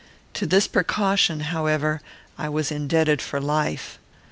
To this precaution, however, I was indebted for life.